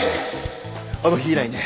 あの日以来ね